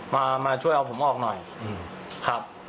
มาช่วยเอาผมออกหน่อยครับ